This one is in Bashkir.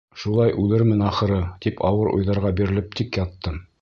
Шулай үлермен, ахыры, тип ауыр уйҙарға бирелеп тик яттым.